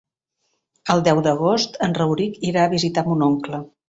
El deu d'agost en Rauric irà a visitar mon oncle.